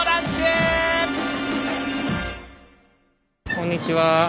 こんにちは。